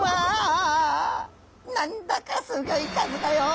何だかすギョい数だよ。